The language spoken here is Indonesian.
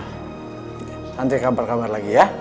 nanti kabar kabar lagi ya